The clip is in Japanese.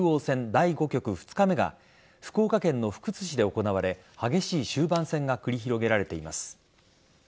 第５局２日目が福岡県の福津市で行われ激しい終盤戦が繰り広げられています。